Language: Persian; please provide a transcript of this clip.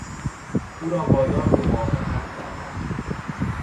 او را وادار به موافقت کردند.